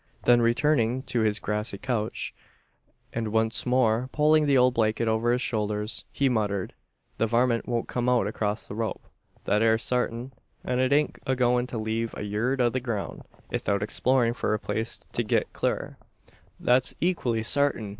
Then returning to his grassy couch, and once more pulling the old blanket over his shoulders, he muttered "The varmint won't come out acrost the rope thet air sartin; an it ain't agoin' to leave a yurd o' the groun' 'ithout explorin' for a place to git clur thet's eequally sartin.